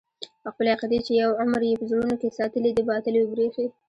او خپلې عقيدې چې يو عمر يې په زړونو کښې ساتلې دي باطلې وبريښي.